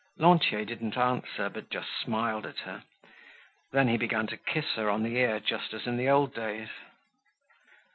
Lantier didn't answer, but just smiled at her. Then he began to kiss her on the ear just as in the old days.